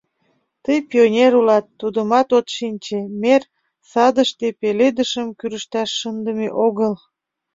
Тый пионер улат, тудымат от шинче: мер садыште пеледышым кӱрышташ шындыме огыл.